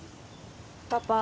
パパ